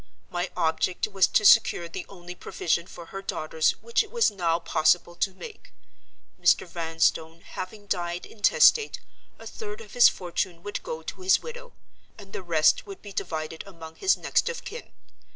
My object was to secure the only provision for her daughters which it was now possible to make. Mr. Vanstone having died intestate, a third of his fortune would go to his widow; and the rest would be divided among his next of kin.